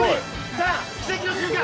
さぁ、奇跡の瞬間。